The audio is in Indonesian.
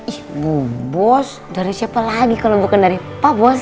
ihh bu bos dari siapa lagi kalo bukan dari pa bos